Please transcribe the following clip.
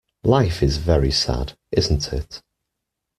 Life is very sad, isn't it?